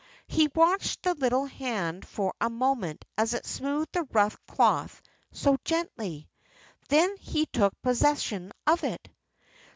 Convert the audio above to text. He watched the little hand for a moment as it smoothed the rough cloth so gently. Then he took possession of it.